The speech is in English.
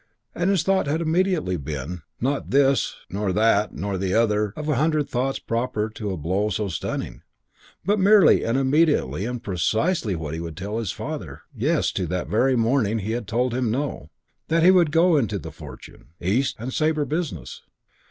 And his thought had immediately been, not this nor that nor the other of a hundred thoughts proper to a blow so stunning, but merely and immediately and precisely that he would tell his father Yes to what that very morning he had told him No, that he would go into the Fortune, East and Sabre business.